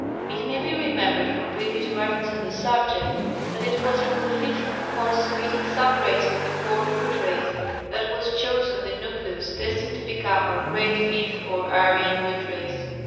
It may be remembered from previous writings on the subject that it was from the fifth or Semitic sub race of the Fourth Root Race that was chosen the nucleus destined to become our great Fifth or Aryan Root Race.